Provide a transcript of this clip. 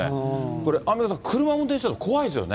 これ、アンミカさん、車を運転していると怖いですよね。